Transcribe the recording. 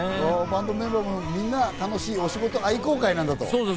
バンドメンバーみんな、楽しいお仕事愛好会なんだと。